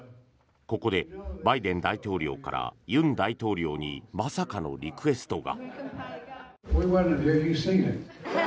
ここでバイデン大統領から尹大統領にまさかのリクエストが。